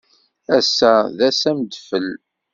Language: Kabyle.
Ass-a d ass amedfel.